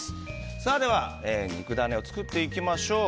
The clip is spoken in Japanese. では肉ダネを作っていきましょう。